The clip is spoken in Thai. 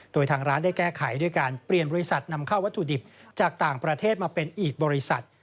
โดยทางร้านได้แก้ไขด้วยการเปลี่ยนบริษัทนำเข้าวัตถุดิบจากต่างประเทศมาเป็นอีกบริษัท